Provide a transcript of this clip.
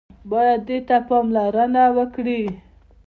بايد دې ته پاملرنه وکړي.